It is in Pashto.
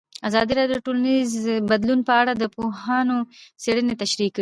ازادي راډیو د ټولنیز بدلون په اړه د پوهانو څېړنې تشریح کړې.